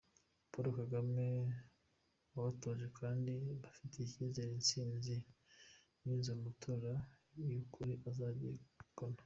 Paul Kagame wabatoje kandi bafitiye icyizere intsinzi inyuze mu matora nyakuri azayegukana.